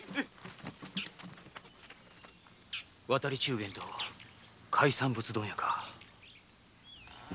渡り中間と海産物問屋か。